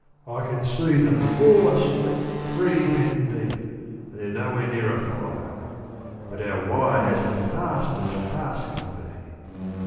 I can see them all asleep, three men deep, And they're nowhere near a fire — but our wire Has 'em fast as fast can be.